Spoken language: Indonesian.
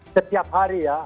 setiap hari ya